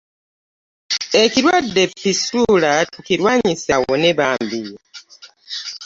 Ekirwadde fisitula tukirwanise awone bambi